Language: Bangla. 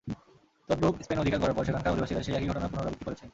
তদ্রপ স্পেন অধিকার করার পর সেখানকার অধিবাসীরা সেই একই ঘটনার পুনরাবৃত্তি করেছে।